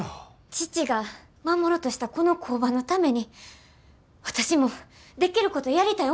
父が守ろうとしたこの工場のために私もできることやりたい思たんです。